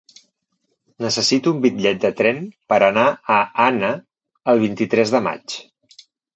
Necessito un bitllet de tren per anar a Anna el vint-i-tres de maig.